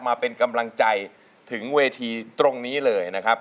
มาเป็นกำลังใจถึงเวทีตรงนี้เลยนะครับ